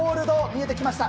見えてきました。